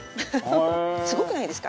すごくないですか？